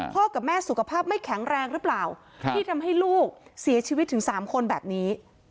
กับแม่สุขภาพไม่แข็งแรงหรือเปล่าที่ทำให้ลูกเสียชีวิตถึง๓คนแบบนี้